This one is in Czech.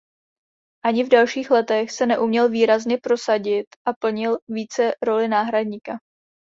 Ani v dalších letech se neuměl výrazně prosadit a plnil více roli náhradníka.